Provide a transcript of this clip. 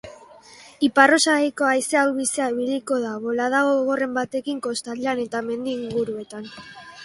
Ipar-osagaiko haize ahul-bizia ibiliko da, bolada gogorren batekin kostaldean eta mendi inguruetan.